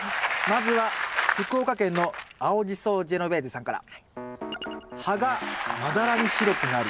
まずは福岡県の青じそジェノベーゼさんから。